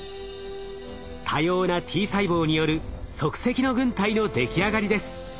多様なＴ細胞による即席の軍隊の出来上がりです。